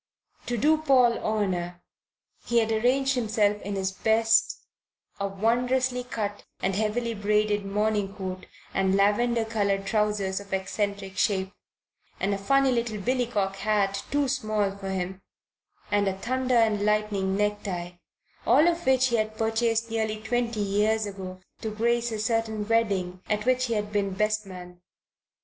To do Paul honour he had arrayed himself in his best a wondrously cut and heavily braided morning coat and lavender coloured trousers of eccentric shape, and a funny little billycock hat too small for him, and a thunder and lightning necktie, all of which he had purchased nearly twenty years ago to grace a certain wedding at which he had been best man.